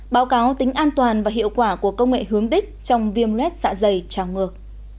báo cáo tính an toàn và hiệu quả của công nghệ hướng đích trong viêm luet dạ dày trào ngược